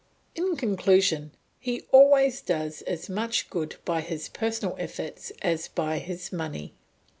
In conclusion, he always does as much good by his personal efforts as by his money.